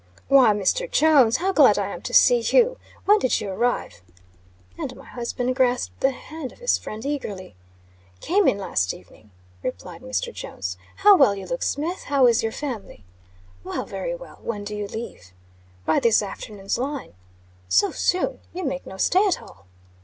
"Why, Mr. Jones! How glad I am to see you! When did you arrive?" And my husband grasped the hand of his friend eagerly. "Came in last evening," replied Mr. Jones. "How well you look, Smith! How is your family?" "Well very well. When do you leave?" "By this afternoon's line." "So soon? You make no stay at all?"